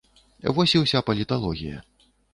Вось і ўся паліталогія.